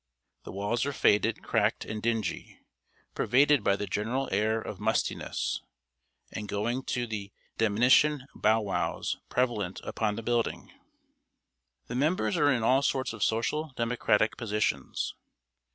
The walls are faded, cracked, and dingy, pervaded by the general air of mustiness, and going to "the demnition bow wows" prevalent about the building. The members are in all sorts of social democratic positions.